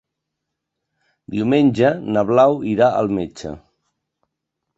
Diumenge na Blau irà al metge.